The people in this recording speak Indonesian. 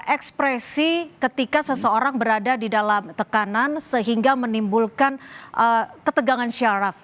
ekspresi ketika seseorang berada di dalam tekanan sehingga menimbulkan ketegangan syaraf